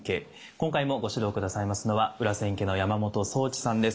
今回もご指導下さいますのは裏千家の山本宗知さんです。